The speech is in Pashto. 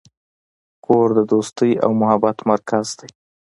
کور د دوستۍ او محبت مرکز دی.